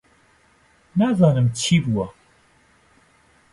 نازانم چی بووە.